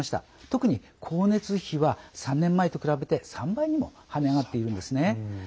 特に光熱費は３年前と比べて３倍にも跳ね上がっているんですね。